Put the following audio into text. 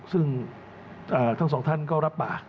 ซึ่งทั้งสองท่านก็รับปาก